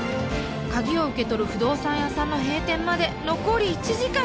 鍵を受け取る不動産屋さんの閉店まで残り１時間。